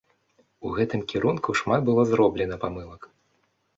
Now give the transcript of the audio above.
У гэтым кірунку шмат было зроблена памылак.